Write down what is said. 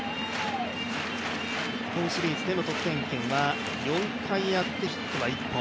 日本シリーズでの得点源は４回やってヒットが１本。